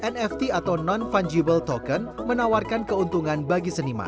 nft atau non fungible token menawarkan keuntungan bagi seniman